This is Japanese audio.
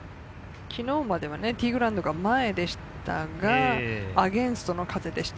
昨日まではティーグラウンドが前でしたがアゲンストの風でした。